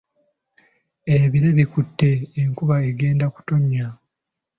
Ebire bikute enkuba egenda kutonnya.